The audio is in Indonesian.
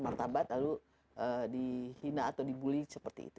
martabat lalu dihina atau dibully seperti itu